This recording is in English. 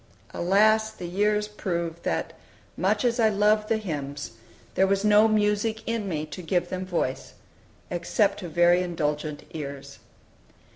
Alas! the years proved that, much as I loved the hymns, there was no music in me to give them voice, except to very indulgent ears.